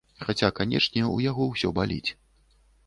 Хаця, канечне, у яго ўсё баліць.